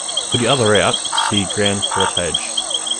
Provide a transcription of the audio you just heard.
For the other route see Grand Portage.